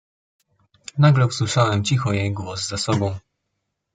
"Nagle usłyszałem cicho jej głos za sobą."